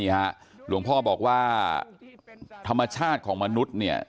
หลวงพ่อบอกว่าธรรมชาติของมนุษย์เนี่ย